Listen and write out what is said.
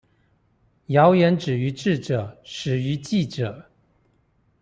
謠言止於智者，始於記者